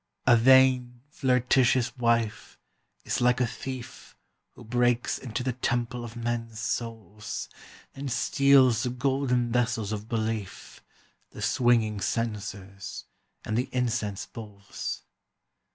A vain, flirtatious wife is like a thief Who breaks into the temple of men's souls, And steals the golden vessels of belief, The swinging censers, and the incense bowls.